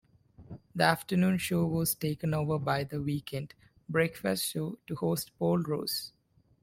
The afternoon show was taken over by then weekend breakfast show host Paul Ross.